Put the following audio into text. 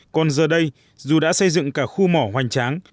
còn giờ đây dù đã xây dựng cả khu mỏ hoành tráng